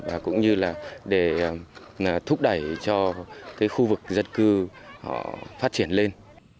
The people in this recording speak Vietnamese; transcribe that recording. và cũng như là để thúc đẩy cho khu vực dân cư phát triển lên